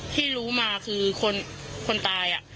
ที่รู้มาคือคนตาย